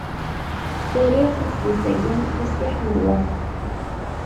Uriɣ tizlit-agi i Si Ḥmed Waɛli.